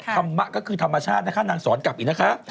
ธรรมะก็คือธรรมชาตินะคะนางสอนกลับอีกนะคะ